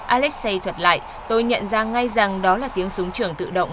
alexei thuận lại tôi nhận ra ngay rằng đó là tiếng súng trường tự động